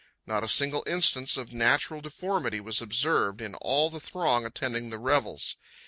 Not a single instance of natural deformity was observable in all the throng attending the revels.